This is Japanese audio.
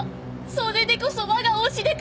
それでこそ我が推しデカ！